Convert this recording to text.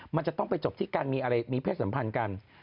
มันจะต้องไปจบที่การมีอะไรมีเพศสัมพันธ์กัน